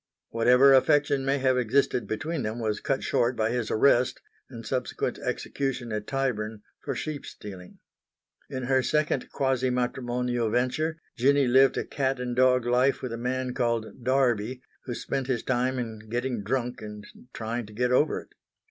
Whatever affection may have existed between them was cut short by his arrest and subsequent execution at Tyburn for sheepstealing. In her second quasi matrimonial venture Jinny lived a cat and dog life with a man called Darby who spent his time in getting drunk and trying to get over it.